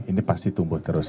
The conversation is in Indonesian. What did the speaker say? ini pasti tumbuh terus